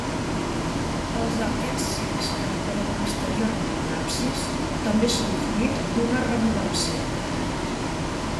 Els arquets cecs que decoren exteriorment l'absis també són fruit d'una remodelació.